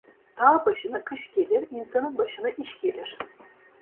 Dağ başına kış gelir, insanın başına iş gelir.